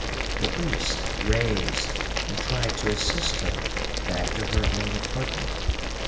The priest raised and tried to assist her back to her own apartment.